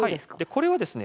これはですね